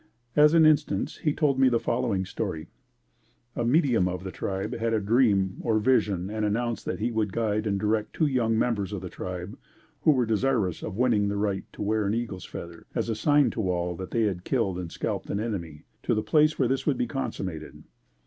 As an instance he told me the following story. A medium of the tribe had a dream or vision and announced that he would guide and direct two young members of the tribe, who were desirous of winning the right to wear an eagle's feather, as the sign to all that they had killed and scalped an enemy, to the place where this would be consummated.